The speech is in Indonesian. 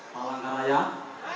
pohon kalah yang